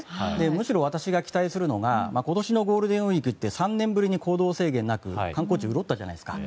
むしろ私が期待するのは今年のゴールデンウィークって３年ぶりに行動制限なく観光地、潤ったじゃないですか。